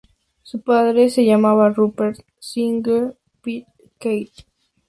Su padre se llamaba Rupert Singleton Pitt-Kethley.